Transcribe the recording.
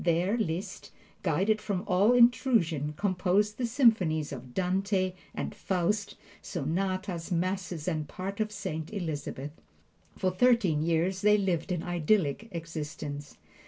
There Liszt, guarded from all intrusion, composed the symphonies of "Dante" and "Faust," sonatas, masses and parts of "Saint Elizabeth." For thirteen years they lived an idyllic existence.